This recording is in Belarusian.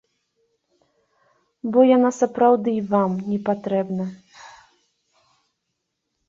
Бо яна сапраўды вам непатрэбна.